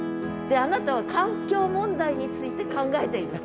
あなたは環境問題について考えていると。